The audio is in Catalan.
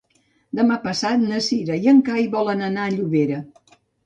Demà passat na Cira i en Cai volen anar a Llobera.